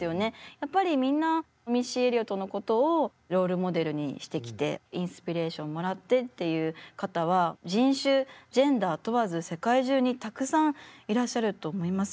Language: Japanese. やっぱりみんなミッシー・エリオットのことをロールモデルにしてきてインスピレーションもらってっていう方は人種ジェンダー問わず世界中にたくさんいらっしゃると思います。